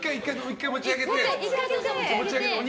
１回、持ち上げて。